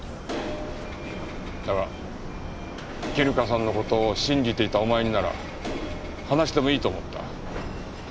だが絹香さんの事を信じていたお前になら話してもいいと思った。